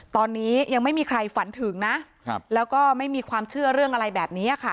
ตอนนี้ยังไม่มีใครฝันถึงนะแล้วก็ไม่มีความเชื่อเรื่องอะไรแบบนี้ค่ะ